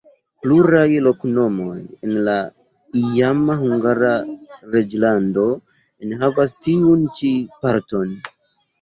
Pluraj loknomoj en la iama Hungara reĝlando enhavas tiun ĉi parton.